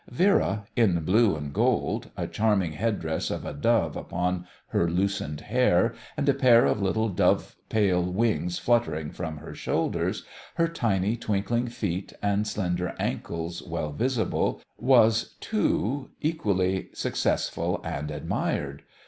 Vera, in blue and gold, a charming head dress of a dove upon her loosened hair, and a pair of little dove pale wings fluttering from her shoulders, her tiny twinkling feet and slender ankles well visible, too, was equally successful and admired.